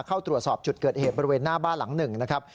เข้าตรวจสอบจุดเกิดเหตุบริเวณหน้าบ้านหลังหนึ่งนะครับ